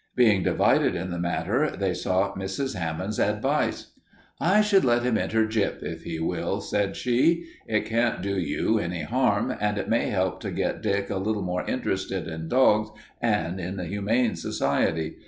Being divided in the matter, they sought Mrs. Hammond's advice. "I should let him enter Gyp if he will," said she. "It can't do you any harm, and it may help to get Dick a little more interested in dogs and in the Humane Society.